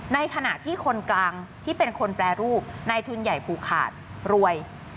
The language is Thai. ในขณะที่คนกลางที่เป็นคนแปรรูปในทุนใหญ่ผูกขาดรวย